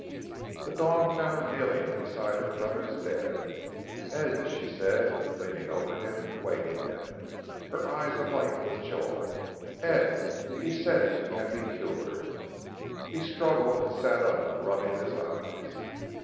The dawn found her kneeling beside her brother's bed. "Ed!" she said, leaning over him, waking him, her eyes alight with joy; "Ed, he says you can be cured!" He struggled and sat up, rubbing his eyes.